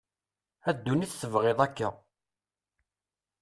a dunit tebγiḍ akka